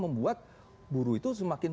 membuat buruh itu semakin